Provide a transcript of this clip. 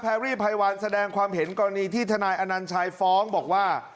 รี่ไพวันแสดงความเห็นกรณีที่ทนายอนัญชัยฟ้องบอกว่า